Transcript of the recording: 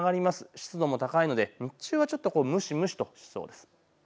湿度も高いので日中は蒸し蒸しとしそうです。